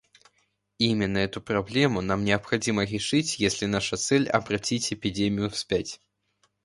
Именно эту проблему нам необходимо решить, если наша цель — обратить эпидемию вспять.